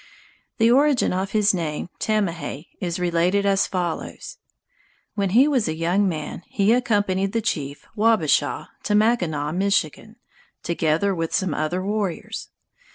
The origin of his name "Tamahay" is related as follows. When he was a young man he accompanied the chief Wabashaw to Mackinaw, Michigan, together with some other warriors.